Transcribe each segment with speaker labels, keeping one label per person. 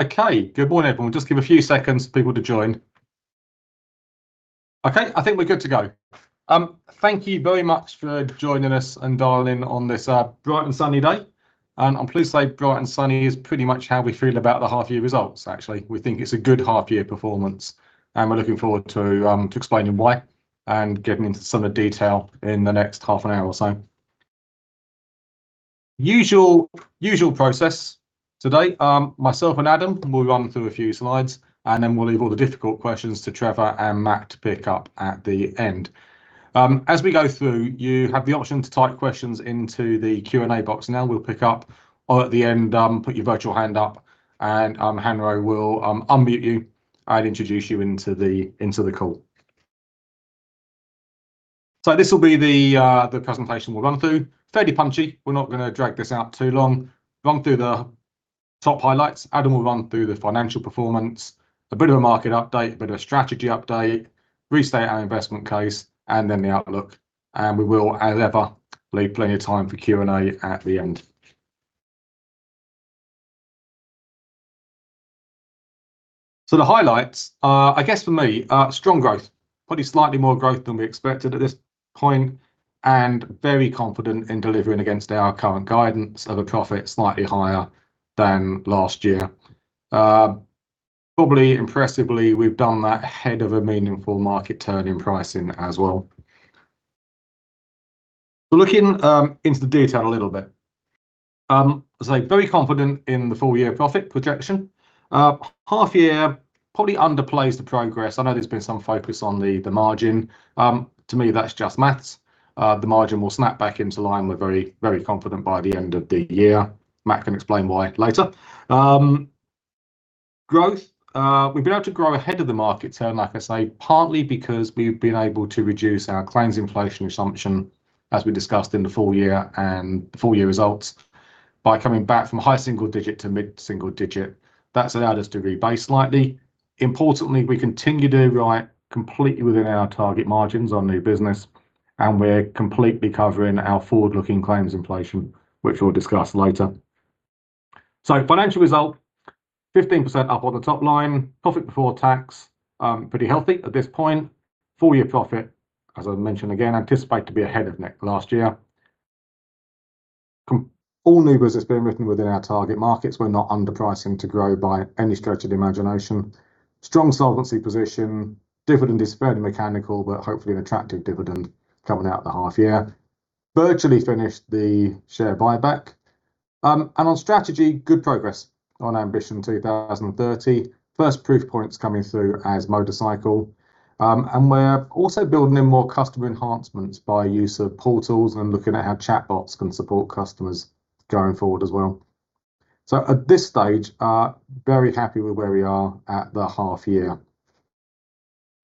Speaker 1: Okay. Good morning, everyone. Just give a few seconds for people to join. Okay, I think we're good to go. Thank you very much for joining us and dialing in on this bright and sunny day. I'm pleased to say bright and sunny is pretty much how we feel about the half year results, actually. We think it's a good half year performance, and we're looking forward to explaining why and getting into some of the detail in the next half an hour or so. Usual process today, myself and Adam will run through a few slides, and then we'll leave all the difficult questions to Trevor and Matt to pick up at the end. As we go through, you have the option to type questions into the Q&A box. Now we'll pick up or at the end, put your virtual hand up and Hanro will unmute you and introduce you into the call. This will be the presentation we'll run through. Fairly punchy. We're not going to drag this out too long. Run through the top highlights. Adam will run through the financial performance, a bit of a market update, a bit of a strategy update, restate our investment case, and then the outlook. We will, as ever, leave plenty of time for Q&A at the end. The highlights are, I guess for me, strong growth. Probably slightly more growth than we expected at this point, and very confident in delivering against our current guidance of a profit slightly higher than last year. Probably impressively, we've done that ahead of a meaningful market turn in pricing as well. Looking into the detail a little bit. As I say, very confident in the full year profit projection. Half year probably underplays the progress. I know there's been some focus on the margin. To me, that's just maths. The margin will snap back into line with very confident by the end of the year. Matt can explain why later. Growth. We've been able to grow ahead of the market turn, like I say, partly because we've been able to reduce our claims inflation assumption, as we discussed in the full year results. By coming back from high single digit to mid-single digit. That's allowed us to rebase slightly. Importantly, we continue to write completely within our target margins on new business, and we're completely covering our forward-looking claims inflation, which we'll discuss later. Financial result, 15% up on the top line. Profit before tax, pretty healthy at this point. Full year profit, as I mentioned again, anticipate to be ahead of last year. All new business being written within our target markets. We're not underpricing to grow by any stretch of the imagination. Strong solvency position, dividend is fairly mechanical, but hopefully an attractive dividend coming out the half year. Virtually finished the share buyback. On strategy, good progress on Ambition 2030. First proof points coming through as motorcycle. We're also building in more customer enhancements by use of portals and looking at how chatbots can support customers going forward as well. At this stage, very happy with where we are at the half year.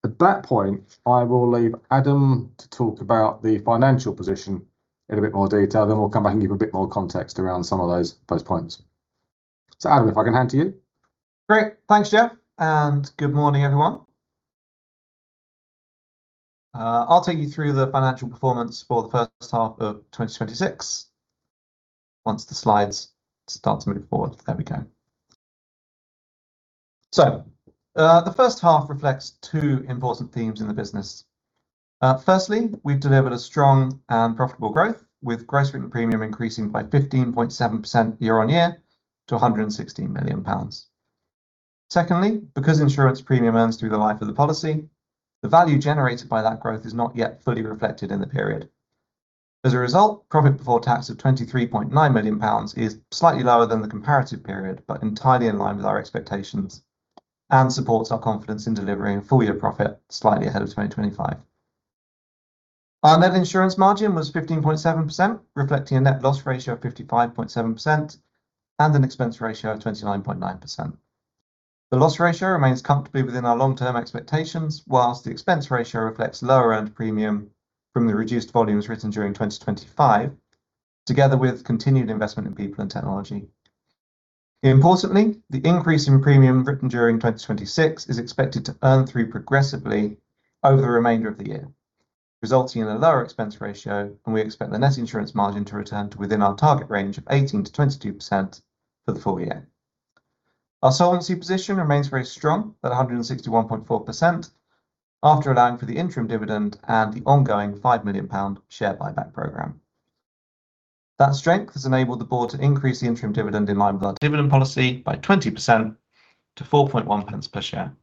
Speaker 1: At that point, I will leave Adam to talk about the financial position in a bit more detail. We'll come back and give a bit more context around some of those points. Adam, if I can hand to you.
Speaker 2: Great. Thanks, Geoff, and good morning everyone. I'll take you through the financial performance for the first half of 2026, once the slides start to move forward. There we go. The first half reflects two important themes in the business. Firstly, we've delivered a strong and profitable growth, with gross written premium increasing by 15.7% year-on-year to 160 million pounds. Secondly, because insurance premium earns through the life of the policy, the value generated by that growth is not yet fully reflected in the period. As a result, profit before tax of 23.9 million pounds is slightly lower than the comparative period, but entirely in line with our expectations and supports our confidence in delivering full year profit slightly ahead of 2025. Our net insurance margin was 15.7%, reflecting a net loss ratio of 55.7% and an expense ratio of 29.9%. The loss ratio remains comfortably within our long-term expectations, whilst the expense ratio reflects lower earned premium from the reduced volumes written during 2025, together with continued investment in people and technology. Importantly, the increase in premium written during 2026 is expected to earn through progressively over the remainder of the year, resulting in a lower expense ratio, and we expect the net insurance margin to return to within our target range of 18%-22% for the full year. Our solvency position remains very strong at 161.4%, after allowing for the interim dividend and the ongoing 5 million pound share buyback program. That strength has enabled the board to increase the interim dividend in line with our dividend policy by 20% to 0.041 per share.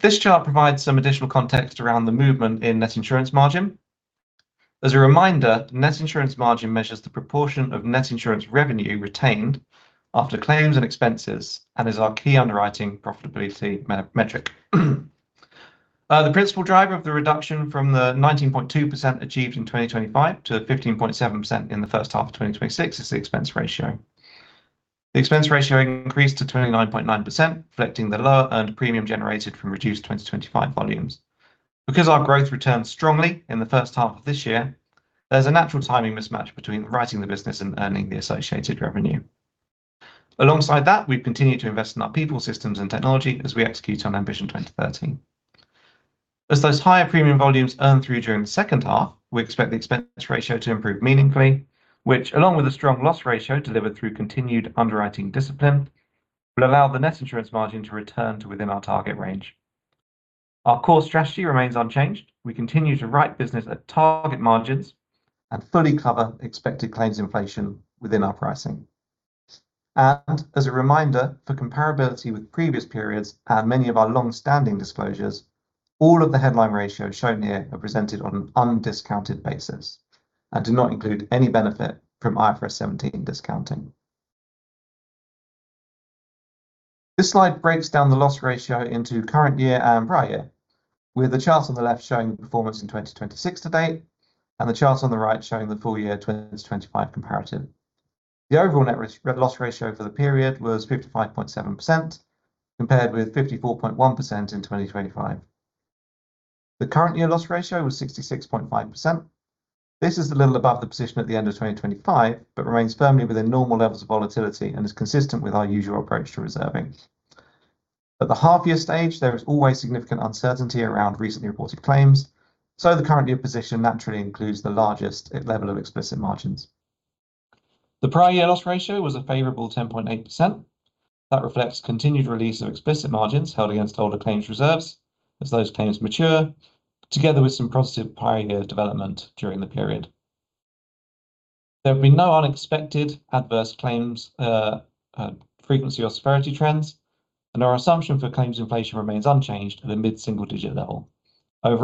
Speaker 2: This chart provides some additional context around the movement in net insurance margin. As a reminder, net insurance margin measures the proportion of net insurance revenue retained after claims and expenses, and is our key underwriting profitability metric. The principal driver of the reduction from the 19.2% achieved in 2025 to 15.7% in the first half of 2026 is the expense ratio. The expense ratio increased to 29.9%, reflecting the lower earned premium generated from reduced 2025 volumes. Because our growth returned strongly in the first half of this year, there's a natural timing mismatch between writing the business and earning the associated revenue. Alongside that, we've continued to invest in our people, systems and technology as we execute on Ambition 2030. As those higher premium volumes earn through during the second half, we expect the expense ratio to improve meaningfully, which, along with a strong loss ratio delivered through continued underwriting discipline, will allow the net insurance margin to return to within our target range. Our core strategy remains unchanged. We continue to write business at target margins and fully cover expected claims inflation within our pricing. As a reminder, for comparability with previous periods and many of our longstanding disclosures, all of the headline ratios shown here are presented on an undiscounted basis and do not include any benefit from IFRS 17 discounting. This slide breaks down the loss ratio into current year and prior year, with the chart on the left showing the performance in 2026 to date and the chart on the right showing the full-year 2025 comparative. The overall net loss ratio for the period was 55.7%, compared with 54.1% in 2025. The current year loss ratio was 66.5%. This is a little above the position at the end of 2025, but remains firmly within normal levels of volatility and is consistent with our usual approach to reserving. At the half year stage, there is always significant uncertainty around recently reported claims, so the current year position naturally includes the largest level of explicit margins. The prior year loss ratio was a favorable 10.8%. That reflects continued release of explicit margins held against older claims reserves as those claims mature, together with some positive prior year development during the period. There have been no unexpected adverse claims, frequency or severity trends, and our assumption for claims inflation remains unchanged at a mid-single-digit level. Waiting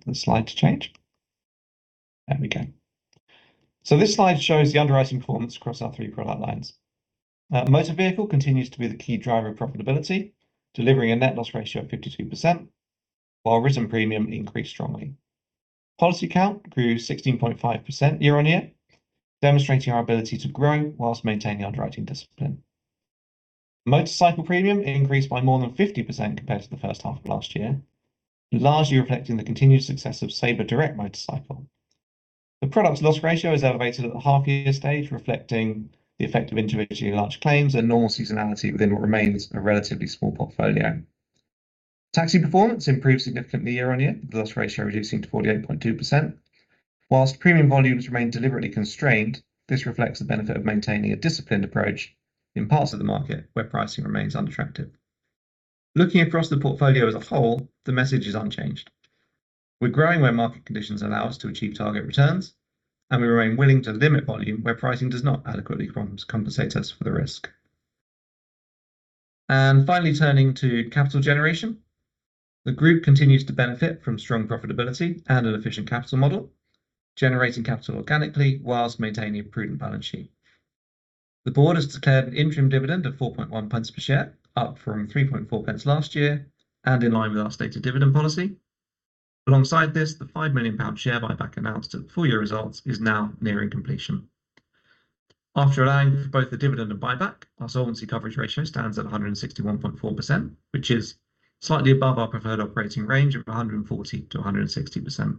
Speaker 2: for the slide to change. There we go. So this slide shows the underwriting performance across our three product lines. Motor vehicle continues to be the key driver of profitability, delivering a net loss ratio of 52%, while written premium increased strongly. Policy count grew 16.5% year-on-year, demonstrating our ability to grow whilst maintaining underwriting discipline. Motorcycle premium increased by more than 50% compared to the first half of last year, largely reflecting the continued success of Sabre Direct Motorcycle. The product's loss ratio is elevated at the half year stage, reflecting the effect of individually large claims and normal seasonality within what remains a relatively small portfolio. Taxi performance improved significantly year-on-year, with the loss ratio reducing to 48.2%. Whilst premium volumes remain deliberately constrained, this reflects the benefit of maintaining a disciplined approach in parts of the market where pricing remains unattractive. Looking across the portfolio as a whole, the message is unchanged. We're growing where market conditions allow us to achieve target returns, and we remain willing to limit volume where pricing does not adequately compensate us for the risk. Finally, turning to capital generation. The group continues to benefit from strong profitability and an efficient capital model, generating capital organically whilst maintaining a prudent balance sheet. The board has declared an interim dividend of 0.041 per share, up from 0.034 last year, and in line with our stated dividend policy. Alongside this, the 5 million pound share buyback announced at the full-year results is now nearing completion. After allowing for both the dividend and buyback, our solvency coverage ratio stands at 161.4%, which is slightly above our preferred operating range of 140%-160%.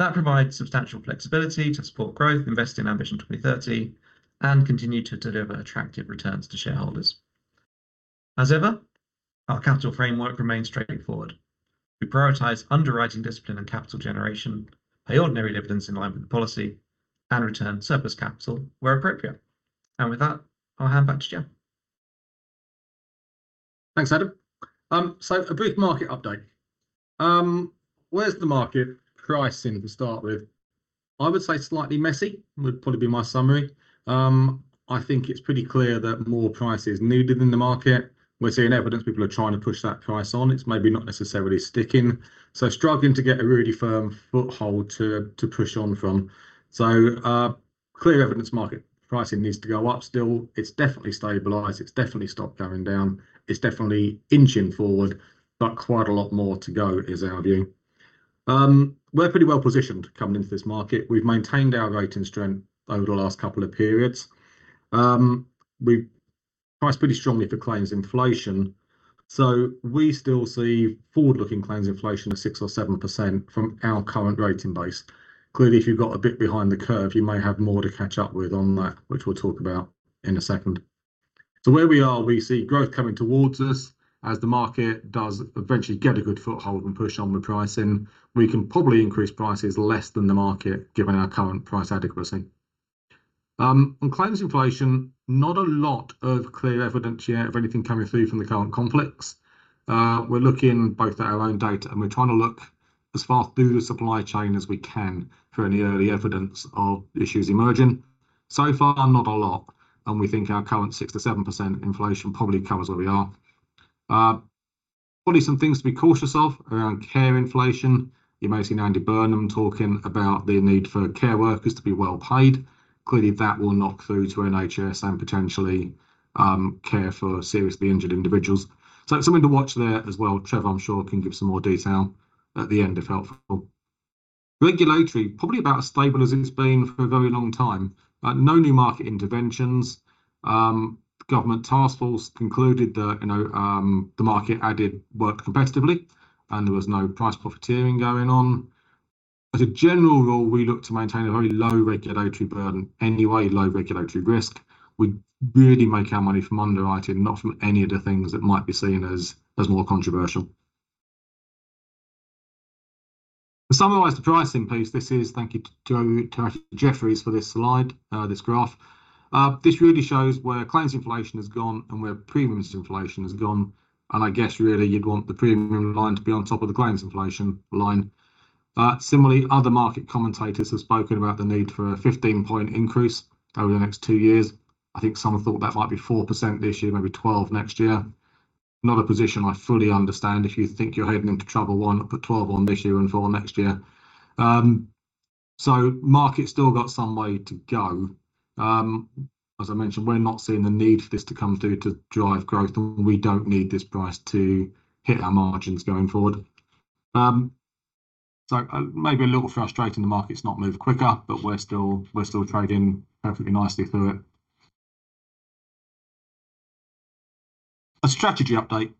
Speaker 2: That provides substantial flexibility to support growth, invest in Ambition 2030, and continue to deliver attractive returns to shareholders. As ever, our capital framework remains straightforward. We prioritize underwriting discipline and capital generation by ordinary dividends in line with the policy and return surplus capital where appropriate. With that, I'll hand back to Geoff.
Speaker 1: Thanks, Adam. Where's the market pricing to start with? I would say slightly messy, would probably be my summary. I think it's pretty clear that more price is needed in the market. We're seeing evidence people are trying to push that price on. It's maybe not necessarily sticking. Struggling to get a really firm foothold to push on from. Clear evidence market pricing needs to go up still. It's definitely stabilized. It's definitely stopped going down. It's definitely inching forward, but quite a lot more to go is our view. We're pretty well positioned coming into this market. We've maintained our rating strength over the last couple of periods. We priced pretty strongly for claims inflation, so we still see forward-looking claims inflation of 6% or 7% from our current rating base. Clearly, if you've got a bit behind the curve, you may have more to catch up with on that, which we'll talk about in a second. Where we are, we see growth coming towards us as the market does eventually get a good foothold and push on with pricing. We can probably increase prices less than the market given our current price adequacy. On claims inflation, not a lot of clear evidence yet of anything coming through from the current conflicts. We're looking both at our own data and we're trying to look as far through the supply chain as we can for any early evidence of issues emerging. Far, not a lot, and we think our current 6% to 7% inflation probably covers where we are. Probably some things to be cautious of around care inflation. You may have seen Andy Burnham talking about the need for care workers to be well paid. Clearly, that will knock through to NHS and potentially care for seriously injured individuals. Something to watch there as well. Trevor, I'm sure, can give some more detail at the end if helpful. Regulatory, probably about as stable as it's been for a very long time. No new market interventions. Government task force concluded that the market added work competitively. There was no price profiteering going on. As a general rule, we look to maintain a very low regulatory burden anyway, low regulatory risk. We really make our money from underwriting, not from any of the things that might be seen as more controversial. To summarize the pricing piece, this is thank you to Jefferies for this slide, this graph. This really shows where claims inflation has gone and where premiums inflation has gone. I guess really you'd want the premium line to be on top of the claims inflation line. Similarly, other market commentators have spoken about the need for a 15-point increase over the next two years. I think some have thought that might be 4% this year, maybe 12% next year. Not a position I fully understand. If you think you're heading into trouble, why not put 12% on this year and four next year? Market still got some way to go. As I mentioned, we're not seeing the need for this to come through to drive growth, and we don't need this price to hit our margins going forward. Maybe a little frustrating the market's not moved quicker, but we're still trading perfectly nicely through it. A strategy update.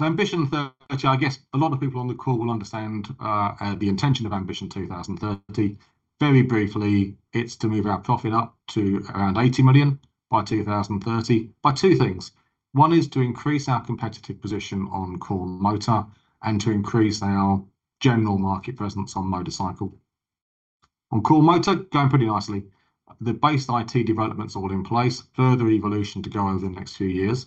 Speaker 1: Ambition 2030, I guess a lot of people on the call will understand the intention of Ambition 2030. Very briefly, it's to move our profit up to around 80 million by 2030 by two things. One is to increase our competitive position on core motor and to increase our general market presence on motorcycle. On core motor, going pretty nicely. The base IT development's all in place. Further evolution to go over the next few years.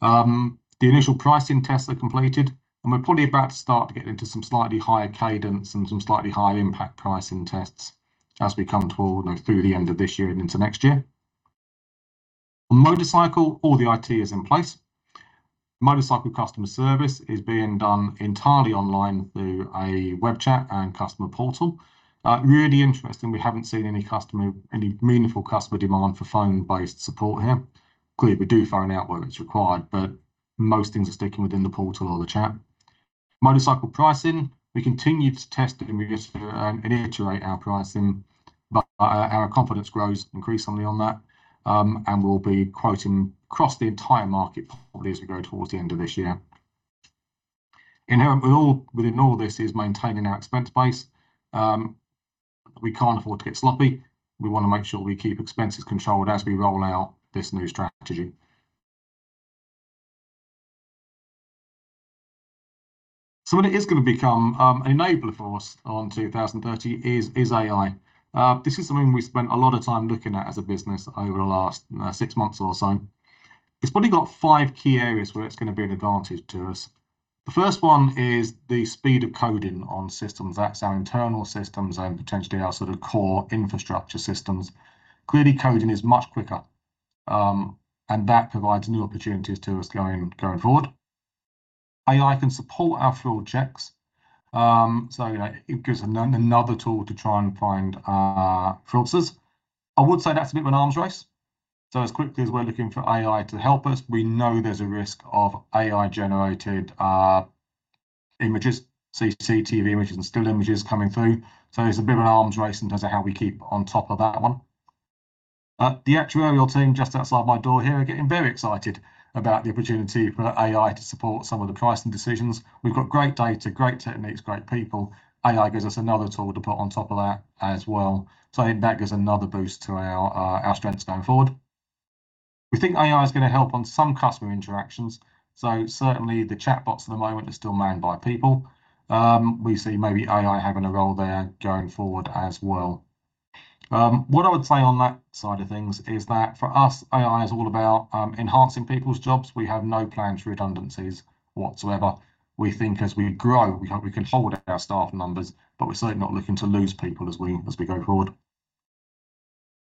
Speaker 1: The initial pricing tests are completed, and we're probably about to start to get into some slightly higher cadence and some slightly higher impact pricing tests as we come through the end of this year and into next year. On motorcycle, all the IT is in place. Motorcycle customer service is being done entirely online through a web chat and customer portal. Really interesting, we haven't seen any meaningful customer demand for phone-based support here. Clearly, we do phone outward when it's required, but most things are sticking within the portal or the chat. Motorcycle pricing, we continue to test and iterate our pricing, but our confidence grows increasingly on that. We'll be quoting across the entire market, probably as we go towards the end of this year. Inherent within all this is maintaining our expense base. We can't afford to get sloppy. We want to make sure we keep expenses controlled as we roll out this new strategy. Something that is going to become an enabler for us on 2030 is AI. This is something we spent a lot of time looking at as a business over the last six months or so. It's probably got five key areas where it's going to be an advantage to us. The first one is the speed of coding on systems. That's our internal systems and potentially our sort of core infrastructure systems. Clearly, coding is much quicker, and that provides new opportunities to us going forward. AI can support our fraud checks, it gives another tool to try and find fraudsters. I would say that's a bit of an arms race. As quickly as we're looking for AI to help us, we know there's a risk of AI-generated images, CCTV images and still images coming through. It's a bit of an arms race in terms of how we keep on top of that one. The actuarial team just outside my door here are getting very excited about the opportunity for AI to support some of the pricing decisions. We've got great data, great techniques, great people. AI gives us another tool to put on top of that as well. I think that gives another boost to our strengths going forward. We think AI is going to help on some customer interactions. Certainly the chatbots at the moment are still manned by people. We see maybe AI having a role there going forward as well. What I would say on that side of things is that for us, AI is all about enhancing people's jobs. We have no plans for redundancies whatsoever. We think as we grow, we hope we can hold our staff numbers, but we're certainly not looking to lose people as we go forward.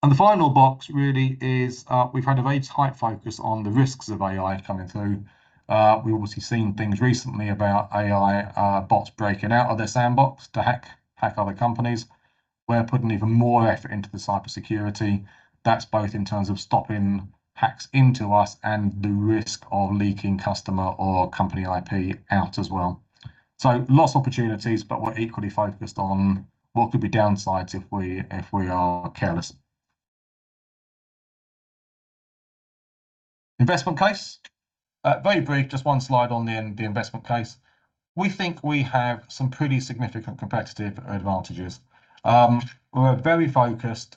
Speaker 1: The final box really is we've had a very tight focus on the risks of AI coming through. We've obviously seen things recently about AI bots breaking out of their sandbox to hack other companies. We're putting even more effort into the cybersecurity. That's both in terms of stopping hacks into us and the risk of leaking customer or company IP out as well. Lots of opportunities, but we're equally focused on what could be downsides if we are careless. Investment case. Very brief, just one slide on the investment case. We think we have some pretty significant competitive advantages. We're a very focused,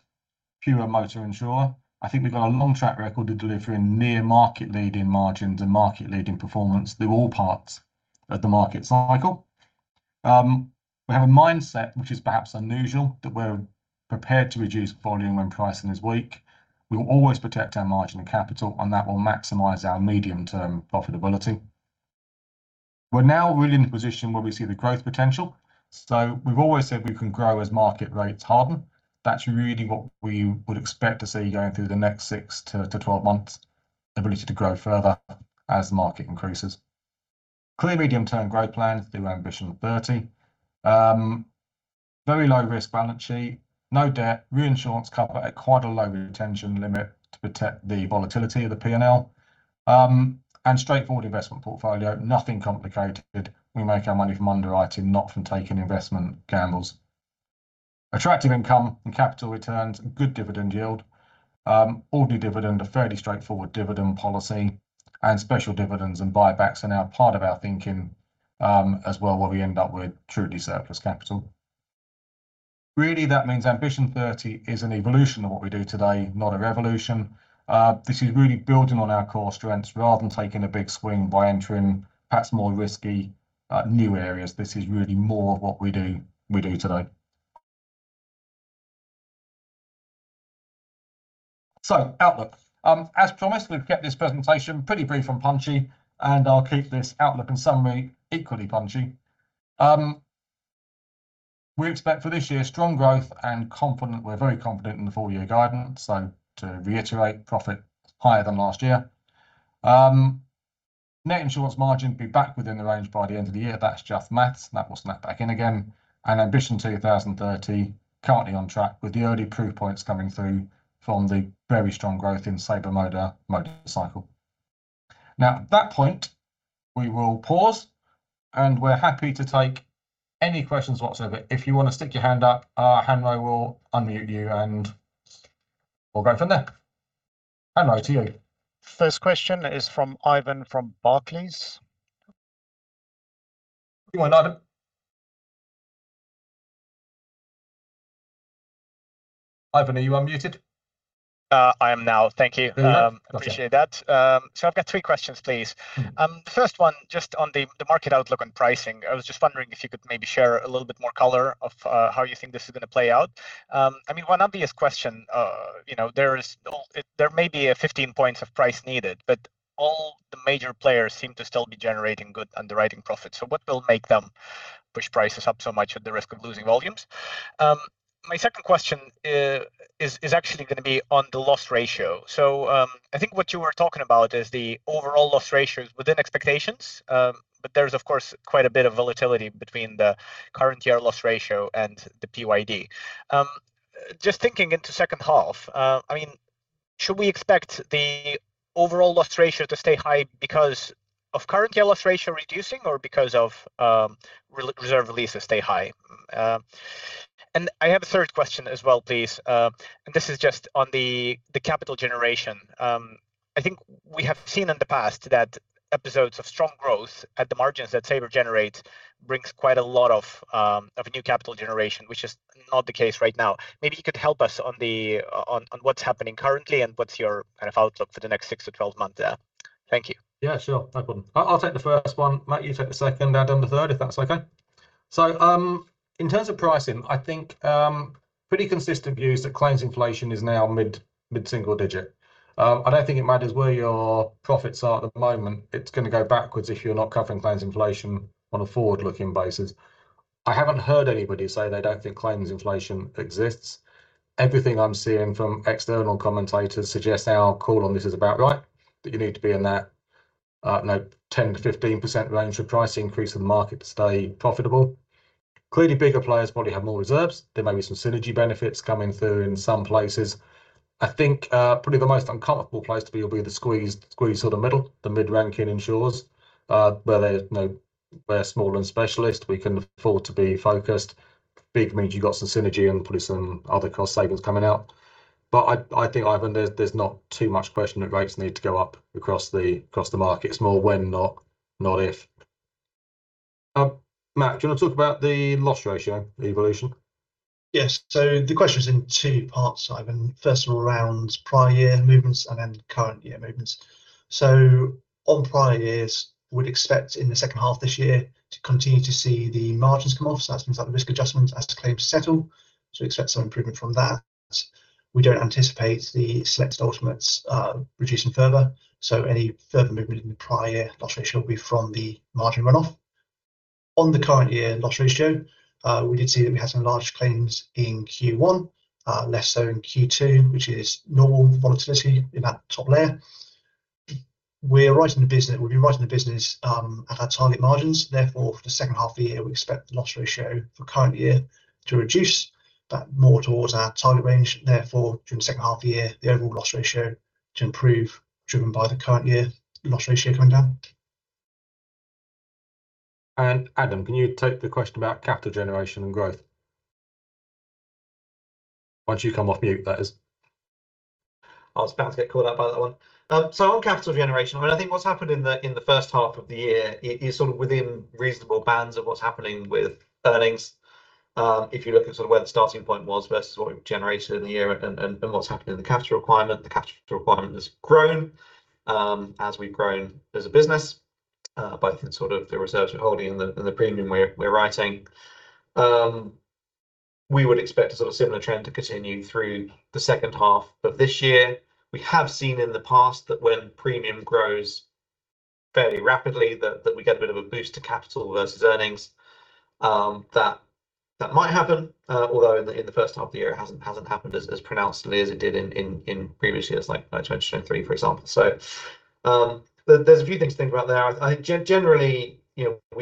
Speaker 1: pure motor insurer. I think we've got a long track record of delivering near market-leading margins and market-leading performance through all parts of the market cycle. We have a mindset which is perhaps unusual, that we're prepared to reduce volume when pricing is weak. We will always protect our margin and capital, that will maximize our medium-term profitability. We're now really in a position where we see the growth potential. We've always said we can grow as market rates harden. That's really what we would expect to see going through the next 6-12 months, the ability to grow further as the market increases. Clear medium-term growth plans through Ambition 2030. Very low-risk balance sheet, no debt, reinsurance cover at quite a low retention limit to protect the volatility of the P&L, and straightforward investment portfolio. Nothing complicated. We make our money from underwriting, not from taking investment gambles. Attractive income and capital returns, good dividend yield, ordinary dividend, a fairly straightforward dividend policy, and special dividends and buybacks are now part of our thinking as well, what we end up with, truly surplus capital. Really that means Ambition 2030 is an evolution of what we do today, not a revolution. This is really building on our core strengths rather than taking a big swing by entering perhaps more risky, new areas. This is really more of what we do today. Outlook. As promised, we've kept this presentation pretty brief and punchy, and I'll keep this outlook and summary equally punchy. We expect for this year strong growth and confident, we're very confident in the full year guidance. To reiterate, profit higher than last year. Net insurance margin will be back within the range by the end of the year. That's just maths. That will snap back in again. Ambition 2030, currently on track with the early proof points coming through from the very strong growth in Sabre Direct Motorcycle. At that point, we will pause and we're happy to take any questions whatsoever. If you want to stick your hand up, Hanro will unmute you and we'll go from there. Hanro, to you.
Speaker 3: First question is from Ivan from Barclays.
Speaker 1: Go on, Ivan. Ivan, are you unmuted?
Speaker 4: I am now. Thank you.
Speaker 1: There we are.
Speaker 4: Appreciate that. I've got three questions, please. First one, just on the market outlook on pricing. I was just wondering if you could maybe share a little bit more color of how you think this is going to play out. One obvious question, there may be a 15 points of price needed, but all the major players seem to still be generating good underwriting profits. What will make them push prices up so much at the risk of losing volumes? My second question is actually going to be on the loss ratio. I think what you were talking about is the overall loss ratios within expectations. There's of course quite a bit of volatility between the current year loss ratio and the PYD. Just thinking into second half, should we expect the overall loss ratio to stay high because of current year loss ratio reducing or because of reserve releases stay high? I have a third question as well, please. This is just on the capital generation. I think we have seen in the past that episodes of strong growth at the margins that Sabre generates brings quite a lot of new capital generation, which is not the case right now. Maybe you could help us on what's happening currently and what's your outlook for the next 6-12 months there. Thank you.
Speaker 1: Yeah, sure. No problem. I'll take the first one. Matt, you take the second, Adam, the third, if that's okay? In terms of pricing, I think, pretty consistent view is that claims inflation is now mid-single digit. I don't think it matters where your profits are at the moment, it's going to go backwards if you're not covering claims inflation on a forward-looking basis. I haven't heard anybody say they don't think claims inflation exists. Everything I'm seeing from external commentators suggests our call on this is about right, that you need to be in that 10%-15% range for price increase in the market to stay profitable. Clearly, bigger players probably have more reserves. There may be some synergy benefits coming through in some places. I think probably the most uncomfortable place to be will be the squeezed sort of middle, the mid-ranking insurers. Where they're small and specialist, we can afford to be focused. Big means you've got some synergy and probably some other cost savings coming out. I think, Ivan, there's not too much question that rates need to go up across the markets more when, not if. Matt, do you want to talk about the loss ratio evolution?
Speaker 5: Yes. The question's in two parts, Ivan. First of all, around prior year movements and then current year movements. On prior years, would expect in the second half of this year to continue to see the margins come off. That's inside the risk adjustments as the claims settle. Expect some improvement from that. We don't anticipate the selected ultimates reducing further, so any further movement in the prior year loss ratio will be from the margin runoff. On the current year loss ratio, we did see that we had some large claims in Q1, less so in Q2, which is normal volatility in that top layer. We'll be writing the business at our target margins. For the second half of the year, we expect the loss ratio for current year to reduce. That more towards our target range. During the second half of the year, the overall loss ratio to improve, driven by the current year loss ratio coming down.
Speaker 1: Adam, can you take the question about capital generation and growth? Once you come off mute, that is.
Speaker 2: I was about to get called out by that one. On capital generation, I think what's happened in the first half of the year is sort of within reasonable bands of what's happening with earnings. If you look at sort of where the starting point was versus what we've generated in the year and what's happened in the capital requirement, the capital requirement has grown, as we've grown as a business. Both in sort of the reserves we're holding and the premium we're writing. We would expect a sort of similar trend to continue through the second half of this year. We have seen in the past that when premium grows fairly rapidly, that we get a bit of a boost to capital versus earnings. That might happen. Although in the first half of the year, it hasn't happened as pronouncedly as it did in previous years, like 2023, for example. There's a few things to think about there. Generally,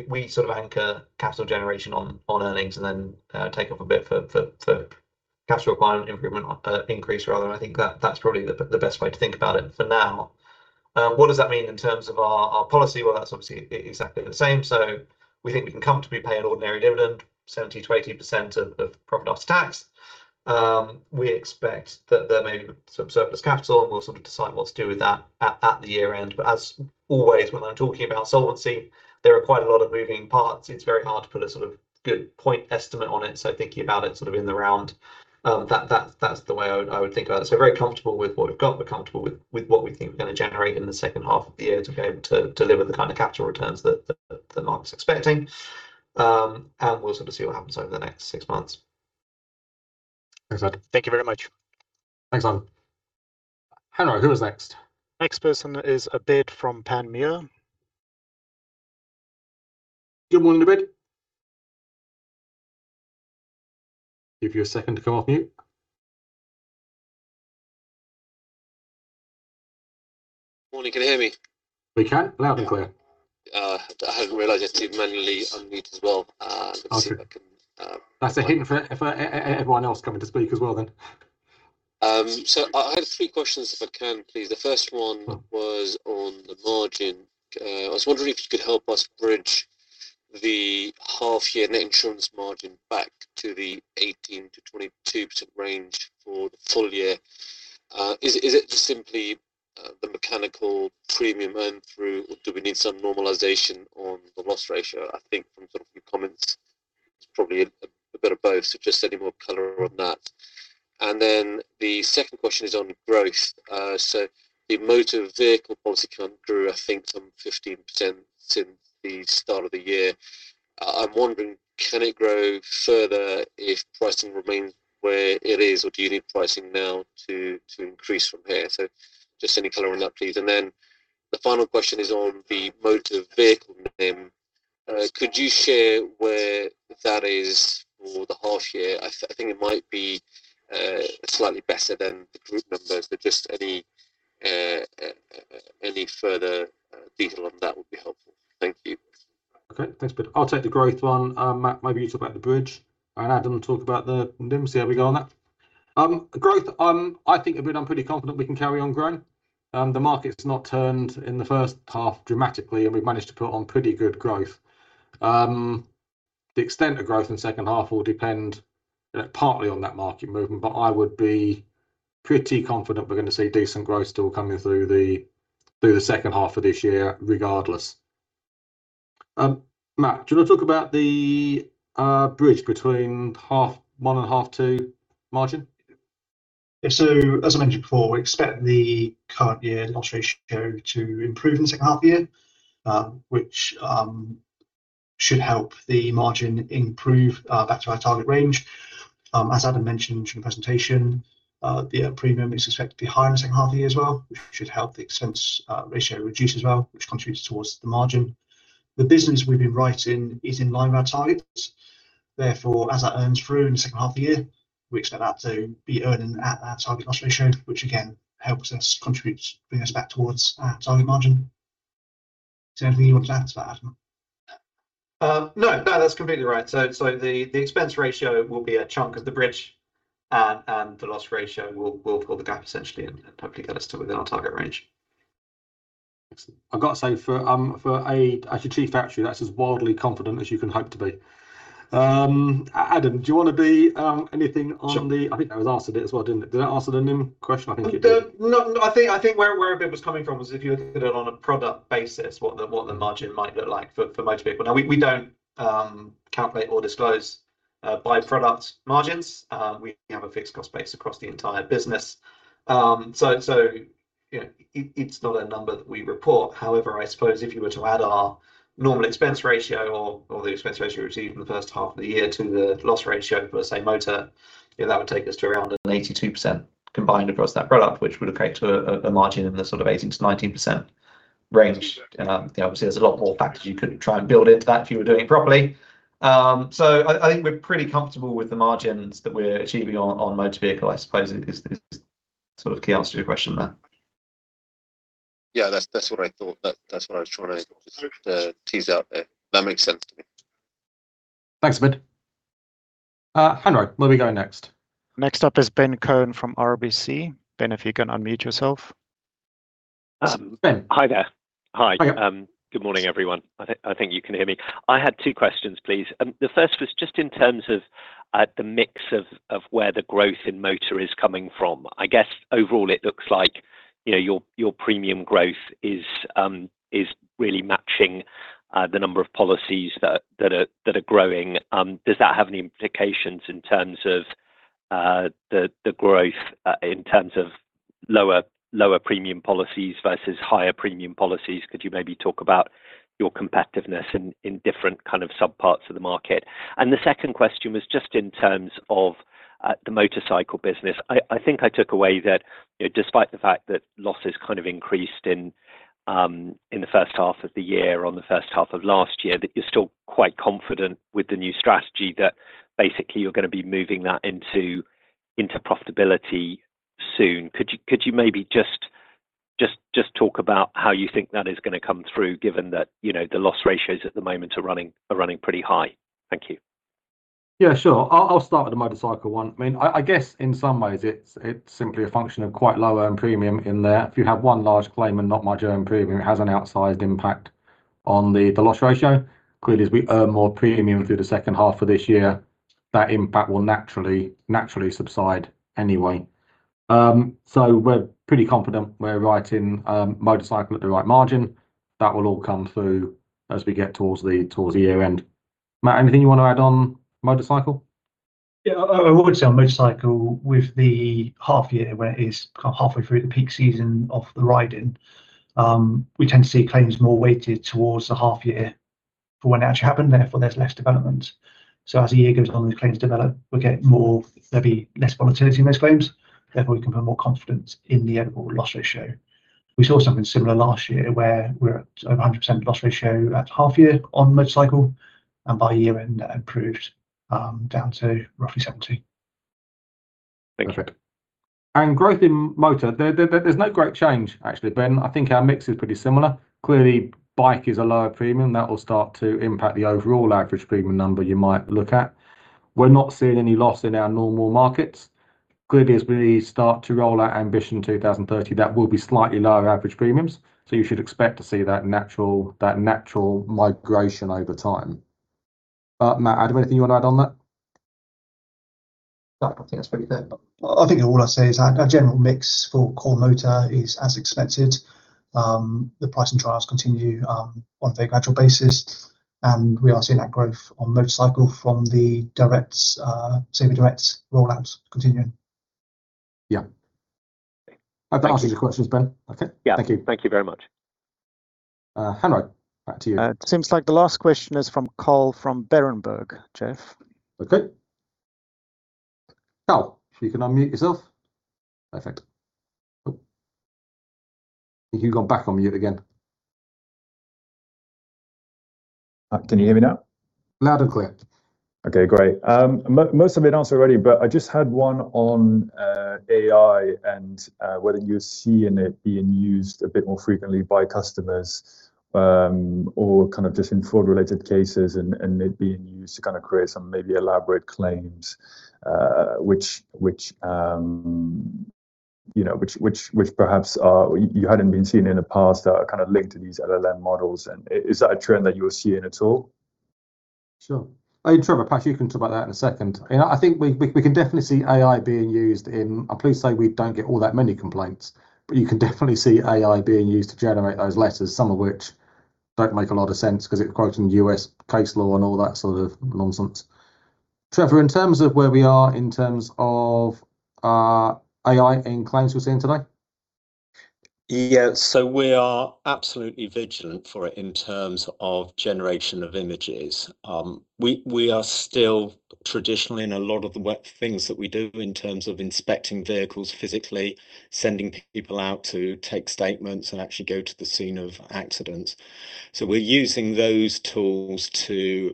Speaker 2: we sort of anchor capital generation on earnings and then take off a bit for capital requirement improvement, increase rather. I think that's probably the best way to think about it for now. What does that mean in terms of our policy? Well, that's obviously exactly the same. We think we can comfortably pay an ordinary dividend 70%-80% of profit after tax. We expect that there may be some surplus capital, and we'll decide what to do with that at the year-end. As always, when I'm talking about solvency, there are quite a lot of moving parts. It's very hard to put a good point estimate on it. Thinking about it in the round, that's the way I would think about it. Very comfortable with what we've got, comfortable with what we think we're going to generate in the second half of the year to be able to deliver the kind of capital returns that the market's expecting. We'll see what happens over the next six months.
Speaker 1: Thanks, Adam.
Speaker 4: Thank you very much.
Speaker 1: Thanks, Ivan. Hanro, who is next?
Speaker 3: Next person is Abid from Panmure.
Speaker 1: Good morning, Abid. Give you a second to come off mute.
Speaker 6: Morning. Can you hear me?
Speaker 1: We can. Loud and clear.
Speaker 6: Yeah. I hadn't realized you had to manually unmute as well.
Speaker 1: Okay.
Speaker 6: Let's see if I can-
Speaker 1: That's a hint for everyone else coming to speak as well then.
Speaker 6: I have three questions, if I can please. The first one was on the margin. I was wondering if you could help us bridge the half year net insurance margin back to the 18%-22% range for the full year. Is it just simply the mechanical premium earn through, or do we need some normalization on the loss ratio? I think from your comments, it's probably a bit of both. Just any more color on that. The second question is on growth. The motor vehicle policy count grew, I think, some 15% since the start of the year. I'm wondering, can it grow further if pricing remains where it is, or do you need pricing now to increase from here? Just any color on that, please. The final question is on the motor vehicle NIM. Could you share where that is for the half year? I think it might be slightly better than the group numbers. Just any further detail on that would be helpful. Thank you.
Speaker 1: Okay. Thanks, Abid. I'll take the growth one. Matt, maybe you talk about the bridge, and Adam will talk about the NIM. See how we go on that. Growth, I think, Abid, I'm pretty confident we can carry on growing. The market's not turned in the first half dramatically, and we've managed to put on pretty good growth. The extent of growth in the second half will depend partly on that market movement, but I would be pretty confident we're going to see decent growth still coming through the second half of this year regardless. Matt, do you want to talk about the bridge between half one and half two margin?
Speaker 5: As I mentioned before, we expect the current year loss ratio to improve in the second half of the year. Which should help the margin improve back to our target range. As Adam mentioned during the presentation, the premium is expected to be higher in the second half of the year as well, which should help the expense ratio reduce as well, which contributes towards the margin. The business we've been writing is in line with our targets. Therefore, as that earns through in the second half of the year, we expect that to be earning at that target loss ratio, which again, helps us contributes, bring us back towards our target margin. Is there anything you wanted to add to that, Adam?
Speaker 2: No. That's completely right. The expense ratio will be a chunk of the bridge, and the loss ratio will plug the gap essentially and hopefully get us to within our target range.
Speaker 1: Excellent. I've got to say, for a chief actuary, that's as wildly confident as you can hope to be. Adam, do you want to be anything?
Speaker 2: Sure.
Speaker 1: I think that was asked a bit as well, didn't it? Did I answer the NIM question? I think you did.
Speaker 2: No. I think where Abid was coming from was if you were to put it on a product basis, what the margin might look like for motor vehicle. Now, we don't calculate or disclose by-product margins. We have a fixed cost base across the entire business. It's not a number that we report. However, I suppose if you were to add our normal expense ratio or the expense ratio received in the first half of the year to the loss ratio for, say, motor, that would take us to around an 82% combined across that product, which would equate to a margin in the 18%-19% range. Obviously, there's a lot more factors you could try and build into that if you were doing it properly. I think we're pretty comfortable with the margins that we're achieving on motor vehicle, I suppose is the key answer to your question there.
Speaker 6: Yeah, that's what I thought. That's what I was trying to just tease out there. That makes sense to me.
Speaker 1: Thanks, Abid. Hanro, where are we going next?
Speaker 3: Next up is Ben Cohen from RBC. Ben, if you can unmute yourself.
Speaker 1: Ben.
Speaker 7: Hi there. Hi.
Speaker 1: Hi.
Speaker 7: Good morning, everyone. I think you can hear me. I had two questions, please. The first was just in terms of the mix of where the growth in motor is coming from. I guess overall it looks like your premium growth is really matching the number of policies that are growing. Does that have any implications in terms of the growth in terms of lower premium policies versus higher premium policies? Could you maybe talk about your competitiveness in different sub-parts of the market? The second question was just in terms of the motorcycle business. I think I took away that despite the fact that losses increased in the first half of the year on the first half of last year, that you're still quite confident with the new strategy that basically you're going to be moving that into profitability soon. Could you maybe Just talk about how you think that is going to come through, given that the loss ratios at the moment are running pretty high. Thank you.
Speaker 1: Yeah, sure. I'll start with the motorcycle one. I guess in some ways it's simply a function of quite low earned premium in there. If you have one large claim and not much earned premium, it has an outsized impact on the loss ratio. Clearly, as we earn more premium through the second half of this year, that impact will naturally subside anyway. We're pretty confident we're right in motorcycle at the right margin. That will all come through as we get towards the year end. Matt, anything you want to add on motorcycle?
Speaker 5: Yeah. I would say on motorcycle, with the half year, where it is kind of halfway through the peak season of the riding, we tend to see claims more weighted towards the half year for when it actually happened, therefore there's less development. As the year goes on, these claims develop, there'll be less volatility in those claims, therefore we can put more confidence in the overall loss ratio. We saw something similar last year where we were at over 100% loss ratio at half year on motorcycle, and by year end, that improved down to roughly 70%.
Speaker 7: Thank you.
Speaker 1: Perfect. Growth in motor, there's no great change actually, Ben. I think our mix is pretty similar. Clearly bike is a lower premium. That will start to impact the overall average premium number you might look at. We're not seeing any loss in our normal markets. Clearly, as we start to roll out Ambition 2030, that will be slightly lower average premiums. You should expect to see that natural migration over time. Matt, Adam, anything you want to add on that?
Speaker 2: No, I think that's pretty clear.
Speaker 5: I think all I'd say is our general mix for core motor is as expected. The price and trials continue on a very gradual basis, and we are seeing that growth on motorcycle from the Sabre Direct rollouts continuing.
Speaker 1: Yeah. Are they asking the questions, Ben? Okay.
Speaker 7: Yeah.
Speaker 1: Thank you.
Speaker 7: Thank you very much.
Speaker 1: Hanro, back to you.
Speaker 3: It seems like the last question is from Carl from Berenberg, Geoff.
Speaker 1: Okay. Carl, if you can unmute yourself. Perfect. I think you've gone back on mute again.
Speaker 8: Can you hear me now?
Speaker 1: Loud and clear.
Speaker 8: Okay, great. Most have been answered already, but I just had one on AI and whether you're seeing it being used a bit more frequently by customers, or kind of just in fraud related cases and it being used to kind of create some maybe elaborate claims which perhaps you hadn't been seeing in the past that are kind of linked to these LLM models. Is that a trend that you are seeing at all?
Speaker 1: Sure. Trevor, perhaps you can talk about that in a second. I think we can definitely see AI being used in I'll politely say we don't get all that many complaints, but you can definitely see AI being used to generate those letters, some of which don't make a lot of sense because it quotes from U.S. case law and all that sort of nonsense. Trevor, in terms of where we are in terms of AI in claims we're seeing today?
Speaker 9: Yeah. We are absolutely vigilant for it in terms of generation of images. We are still traditionally in a lot of the things that we do in terms of inspecting vehicles physically, sending people out to take statements, and actually go to the scene of accidents. We're using those tools to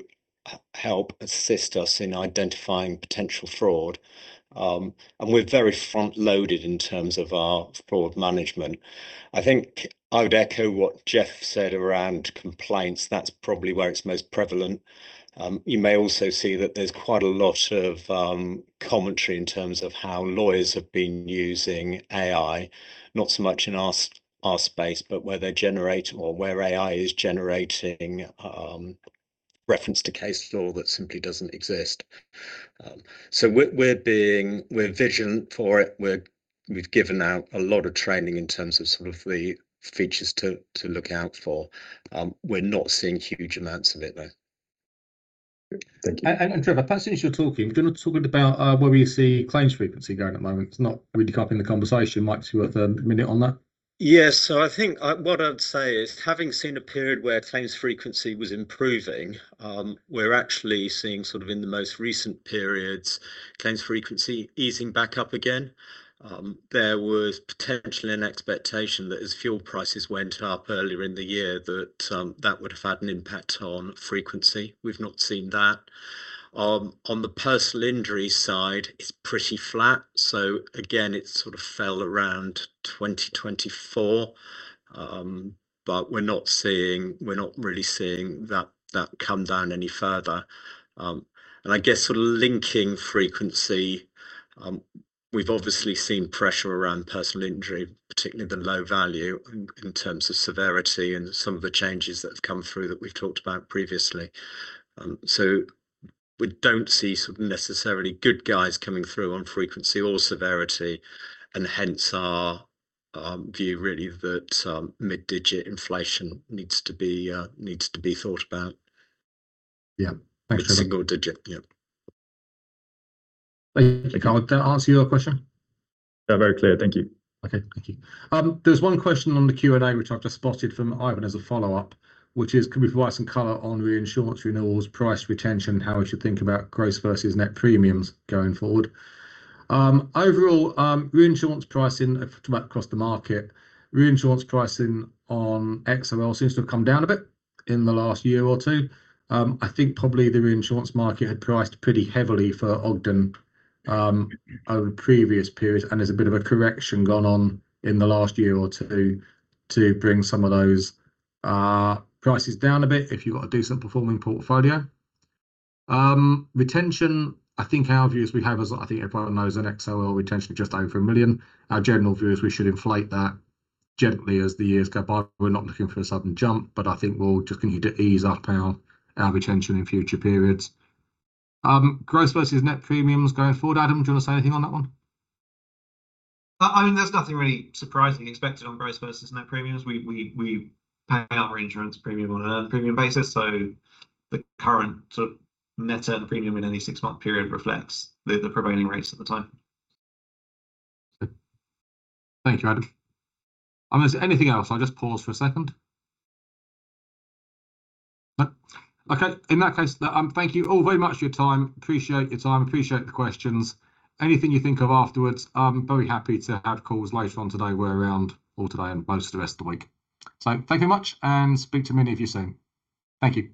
Speaker 9: help assist us in identifying potential fraud. We're very front-loaded in terms of our fraud management. I think I would echo what Geoff said around complaints. That's probably where it's most prevalent. You may also see that there's quite a lot of commentary in terms of how lawyers have been using AI, not so much in our space, but where AI is generating reference to case law that simply doesn't exist. We're vigilant for it. We've given out a lot of training in terms of sort of the features to look out for. We're not seeing huge amounts of it, though.
Speaker 8: Thank you.
Speaker 1: Trevor, perhaps since you're talking, do you want to talk about where we see claims frequency going at the moment? It's not really covering the conversation. Might you want a minute on that?
Speaker 9: I think what I'd say is, having seen a period where claims frequency was improving, we're actually seeing sort of in the most recent periods, claims frequency easing back up again. There was potentially an expectation that as fuel prices went up earlier in the year, that that would've had an impact on frequency. We've not seen that. On the personal injury side, it's pretty flat. Again, it sort of fell around 2024. We're not really seeing that come down any further. I guess sort of linking frequency, we've obviously seen pressure around personal injury, particularly the low value in terms of severity and some of the changes that have come through that we've talked about previously. We don't see sort of necessarily good guys coming through on frequency or severity, and hence our view really that mid digit inflation needs to be thought about.
Speaker 1: Yeah. Thanks, Trevor.
Speaker 9: For single digit. Yeah.
Speaker 1: Thank you. Did that answer your question?
Speaker 8: Yeah. Very clear. Thank you.
Speaker 1: Okay. Thank you. There's one question on the Q&A, which I've just spotted from Ivan as a follow-up, which is, could we provide some color on reinsurance renewals, price retention, how we should think about gross versus net premiums going forward? Overall, reinsurance pricing, if we talk about across the market, reinsurance pricing on XOL seems to have come down a bit in the last year or two. I think probably the reinsurance market had priced pretty heavily for Ogden, over the previous period, and there's a bit of a correction gone on in the last year or two to bring some of those prices down a bit if you've got a decent performing portfolio. Retention, I think our view is we have, as I think everyone knows, an XOL retention of just over a million. Our general view is we should inflate that gently as the years go by. We're not looking for a sudden jump, I think we'll just need to ease up our retention in future periods. Gross versus net premiums going forward, Adam, do you want to say anything on that one?
Speaker 2: I mean, there's nothing really surprising expected on gross versus net premiums. We pay our reinsurance premium on an earned premium basis. The current sort of net earned premium in any six-month period reflects the prevailing rates at the time.
Speaker 1: Thank you, Adam. Unless there's anything else, I'll just pause for a second. No. In that case, thank you all very much for your time. Appreciate your time. Appreciate the questions. Anything you think of afterwards, I'm very happy to have calls later on today. We're around all today and most of the rest of the week. Thank you very much, and speak to many of you soon. Thank you.